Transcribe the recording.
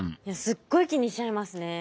すっごい気にしちゃいますね。